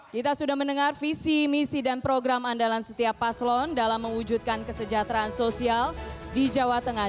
kita sudah mendengar visi misi dan program andalan setiap paslon dalam mewujudkan kesejahteraan sosial di jawa tengah